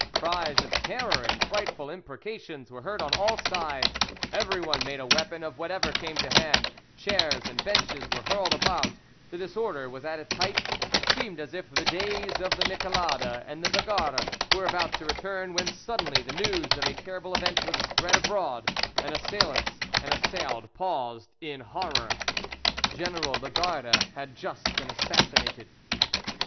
Cries of terror and frightful imprecations were heard on all sides, everyone made a weapon of whatever came to hand, chairs and benches were hurled about, the disorder was at its height; it seemed as if the days of the Michelade and the Bagarre were about to return, when suddenly the news of a terrible event was spread abroad, and assailants and assailed paused in horror. General Lagarde had just been assassinated.